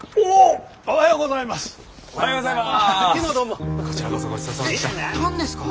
おはようございます。